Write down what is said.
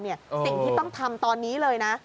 สิ่งที่ต้องทำตอนนี้เลยนะ